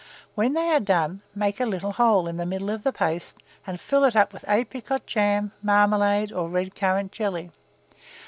When they are done, make a little hole in the middle of the paste, and fill it up with apricot jam, marmalade, or red currant jelly.